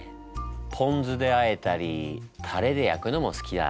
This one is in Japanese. ポンずであえたりたれで焼くのも好きだ。